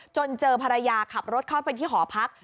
เจอภรรยาขับรถเข้าไปที่หอพัก